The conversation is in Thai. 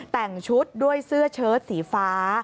แต่งชุดด้วยเสื้อเชิดสีฟ้า